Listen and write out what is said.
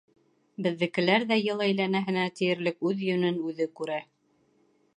Беҙҙекеләр ҙә йыл әйләнәһенә тиерлек үҙ йүнен үҙе күрә...